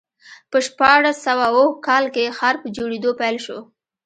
په شپاړس سوه اووه کال کې ښار په جوړېدو پیل شو.